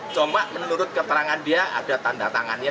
cuma menurut keterangan dia ada tanda tangannya